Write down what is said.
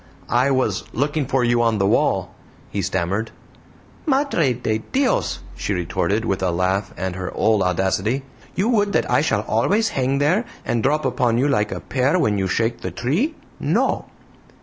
"I was looking for you on the wall," he stammered. "MADRE DE DIOS!" she retorted, with a laugh and her old audacity, "you would that I shall ALWAYS hang there, and drop upon you like a pear when you shake the tree? No!"